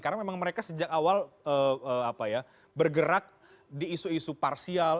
karena memang mereka sejak awal bergerak di isu isu parsial